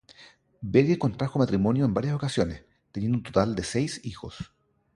Berger contrajo matrimonio en varias ocasiones, teniendo un total de seis hijos.